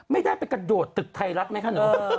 ไม่ได้ไปกระโดดตึกไทยรัฐไหมคะหนู